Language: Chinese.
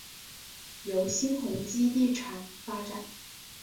由新鸿基地产发展。